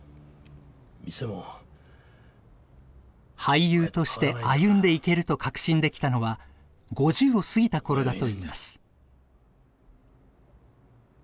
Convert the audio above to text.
俳優として歩んでいけると確信できたのは５０を過ぎた頃だといいます。